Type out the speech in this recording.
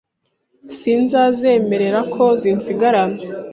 Sinzazemerera Ko zinsigarana